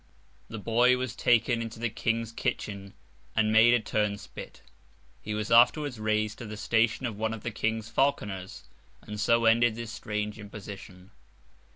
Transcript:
The boy was taken into the King's kitchen and made a turnspit. He was afterwards raised to the station of one of the King's falconers; and so ended this strange imposition.